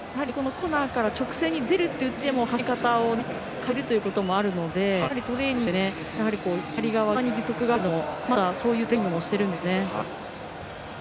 コーナーから直線に出るときでも走り方を変えるということもあるのでトレーニングで内側に義足があるのもまたそういうトレーニングもしているんですね。